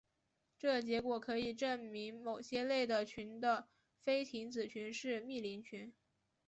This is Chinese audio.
这结果可以证明某些类的群的菲廷子群是幂零群。